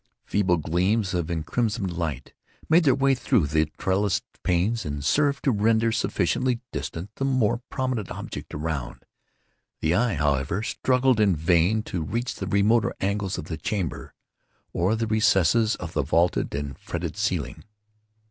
Feeble gleams of encrimsoned light made their way through the trellissed panes, and served to render sufficiently distinct the more prominent objects around; the eye, however, struggled in vain to reach the remoter angles of the chamber, or the recesses of the vaulted and fretted ceiling.